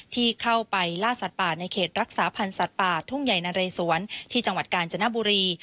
ที่เข้าไปล่าสัตว์ป่าในเขตรักษาพันธ์สัตว์ป่าทุ่งใหญ่นะเรสวนที่จังหวัดกาญจนบุรี